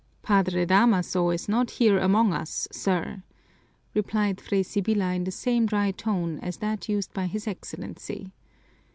"Padre Damaso is not here among us, sir," replied Fray Sibyla in the same dry tone as that used by his Excellency.